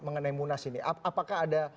mengenai munas ini apakah ada